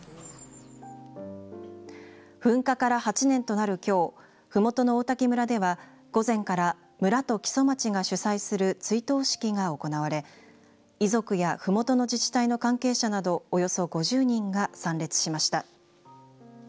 噴火から８年となるきょうふもとの王滝村では午前から村と木曽町が主催する追悼式が行われ遺族やふもとの自治体の関係者などおよそ５０人が参列しました。